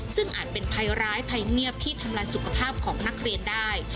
ซึ่งอาจเป็นภัยร้ายภัยเงียบที่ทำลันสุขภาพของนักเรียนได้